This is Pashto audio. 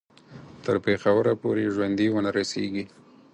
تر پېښوره پوري ژوندي ونه رسیږي.